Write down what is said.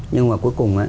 nhưng mà cuối cùng